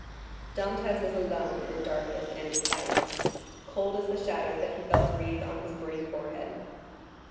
Dantès was alone in darkness and in silence—cold as the shadows that he felt breathe on his burning forehead.